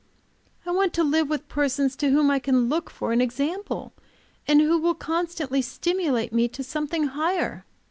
I want to live with persons to whom I can look for an example, and who will constantly stimulate me to something higher."